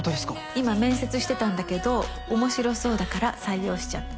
今面接してたんだけど面白そうだから採用しちゃった。